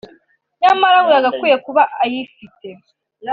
nyamara ngo yagakwiye kuba ayifite